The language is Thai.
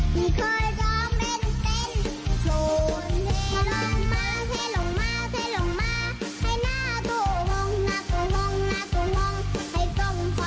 ที่เคยยอมเบ้นเต้นตัว